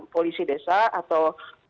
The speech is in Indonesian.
polisi desa atau